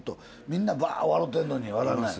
みんなバッ笑てんのに笑わない。